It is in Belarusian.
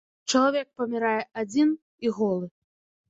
Чалавек памірае адзін і голы.